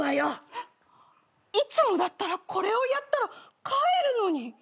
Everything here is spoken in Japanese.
えっいつもだったらこれをやったら帰るのに。